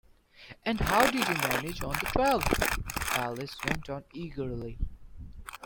‘And how did you manage on the twelfth?’ Alice went on eagerly.